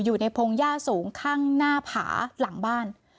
พงหญ้าสูงข้างหน้าผาหลังบ้าน